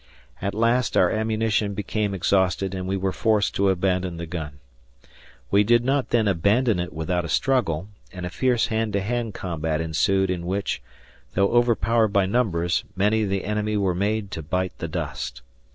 At last our ammunition became exhausted, and we were forced to abandon the gun. We did not then abandon it without a struggle, and a fierce hand to hand combat ensued in which, though overpowered by numbers, many of the enemy were made to bite the dust.